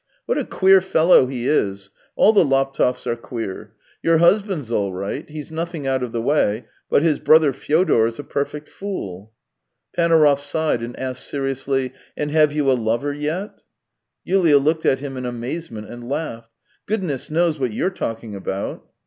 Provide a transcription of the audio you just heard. What a queer fellow he is ! All the Laptevs are queer. Your husband's all right — he's nothing out of the way, but his brother Fyodor is a perfect fool." Panaurov sighed and asked seriously: " And have you a lover yet ?" Yulia looked at him in amazement and laughed. " Goodness knows what you're talking about."